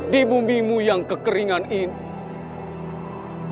di bumimu yang kekeringan ini